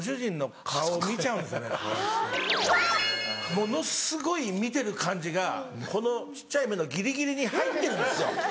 ものすごい見てる感じがこの小っちゃい目のギリギリに入ってるんですよ。